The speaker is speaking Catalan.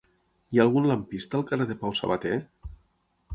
Hi ha algun lampista al carrer de Pau Sabater?